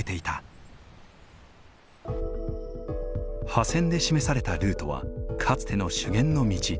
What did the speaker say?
破線で示されたルートはかつての修験の道。